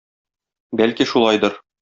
Бәлки шулайдыр.